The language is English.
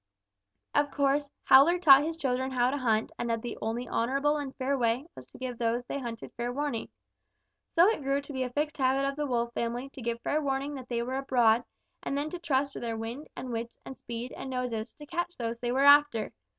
"Of course, Howler taught his children how to hunt and that the only honorable and fair way was to give those they hunted fair warning. So it grew to be a fixed habit of the Wolf family to give fair warning that they were abroad and then trust to their wind and wits and speed and noses to catch those they were after.